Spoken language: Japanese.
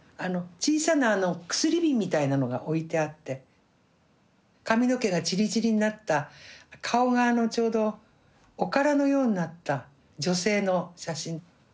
小さな薬瓶みたいなのが置いてあって髪の毛がチリチリになった顔がちょうどおからのようになった女性の写真。